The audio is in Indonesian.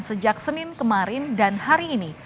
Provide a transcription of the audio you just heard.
sejak senin kemarin dan hari ini